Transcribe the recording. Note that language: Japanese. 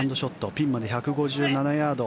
ピンまで１５７ヤード。